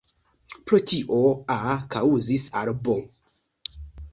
Pro tio, "A" kaŭzis al "B.